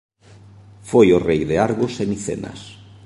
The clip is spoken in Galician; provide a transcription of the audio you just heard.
Foi o rei de Argos e Micenas.